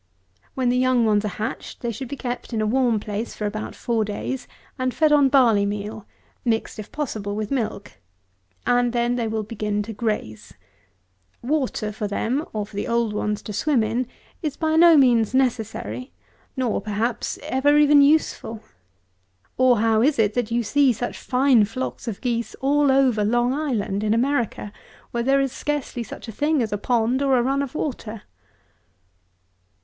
When the young ones are hatched, they should be kept in a warm place for about four days, and fed on barley meal, mixed, if possible, with milk; and then they will begin to graze. Water for them, or for the old ones to swim in, is by no means necessary, nor, perhaps, ever even useful. Or, how is it, that you see such fine flocks of fine geese all over Long Island (in America) where there is scarcely such a thing as a pond or a run of water?